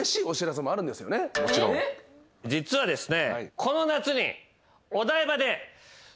実はですね。